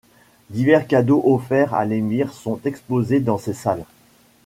Divers cadeaux offerts à l'émir sont exposés dans ces salles.